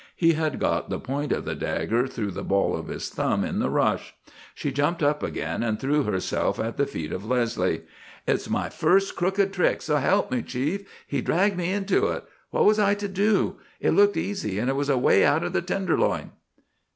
He had got the point of the dagger through the ball of his thumb in the rush. She jumped up again and threw herself at the feet of Leslie. "It's my first crooked trick, so help me, Chief! He dragged me into it! What was I to do? It looked easy and it was a way out of the Tenderloin!"